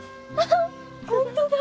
本当だ！